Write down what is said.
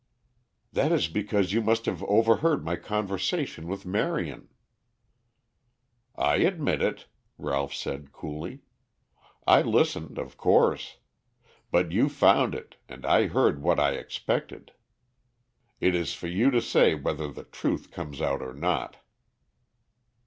"That is because you must have overheard my conversation with Marion." "I admit it," Ralph said coolly. "I listened, of course. But you found it and I heard what I expected. It is for you to say whether the truth comes out or not."